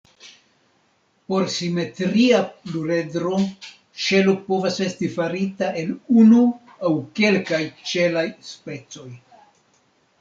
Por simetria pluredro, ŝelo povas esti farita el unu aŭ kelkaj ĉelaj specoj.